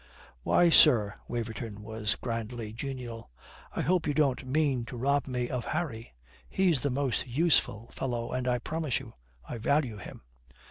"Why, sir," Waverton was grandly genial, "I hope you don't mean to rob me of Harry. He's the most useful fellow, and, I promise you; I value him."